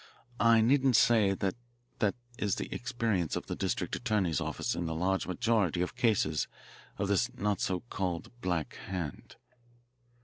I needn't say that that is the experience of the district attorney's office in the large majority of cases of this so called Black Hand."